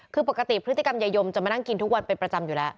คือปกติพฤติกรรมยายมจะมานั่งกินทุกวันเป็นประจำอยู่แล้ว